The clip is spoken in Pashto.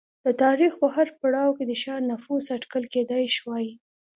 د تاریخ په هر پړاو کې د ښار نفوس اټکل کېدای شوای